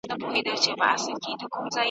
ما د ورور په چاړه ورور دئ حلال كړى `